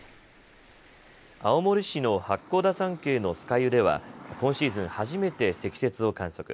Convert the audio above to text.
青森市の八甲田山系の酸ヶ湯では今シーズン初めて積雪を観測。